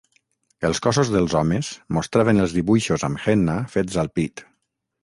Els cossos dels homes mostraven els dibuixos amb henna fets al pit.